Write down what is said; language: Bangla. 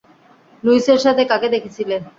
লুইসের সাথে কাকে দেখেছিলে?